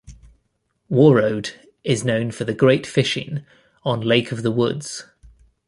Warroad is known for the great fishing on Lake of the Woods.